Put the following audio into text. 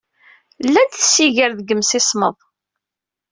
Llant tsigar deg yemsismeḍ.